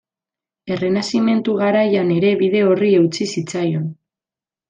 Errenazimentu garaian ere bide horri eutsi zitzaion.